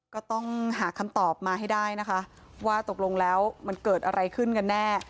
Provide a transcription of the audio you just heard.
ก็ต้องหาคำตอบมาให้ได้นะคะว่าตกลงแล้วมันเกิดอะไรขึ้นกันแน่